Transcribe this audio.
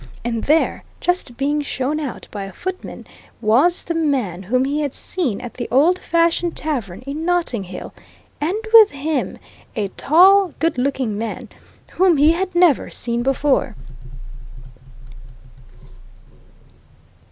And there, just being shown out by a footman, was the man whom he had seen at the old fashioned tavern in Notting Hill, and with him a tall, good looking man whom he had never seen before.